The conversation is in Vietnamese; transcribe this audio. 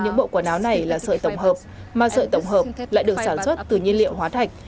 những bộ quần áo này là sợi tổng hợp ma sợi tổng hợp lại được sản xuất từ nhiên liệu hóa thạch